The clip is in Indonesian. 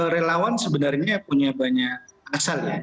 relawan sebenarnya punya banyak asal ya